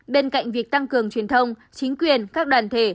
bên cạnh việc tăng cường truyền thông chính quyền các đoàn thể